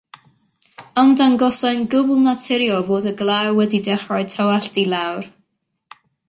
Ymddangosai'n gwbl naturiol fod y glaw wedi dechrau tywallt i lawr.